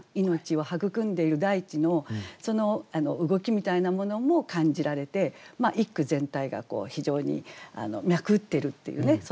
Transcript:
命を育んでいる大地のその動きみたいなものも感じられて一句全体が非常に脈打ってるっていうね